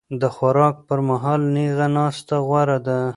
د خوراک پر مهال نېغه ناسته غوره ده.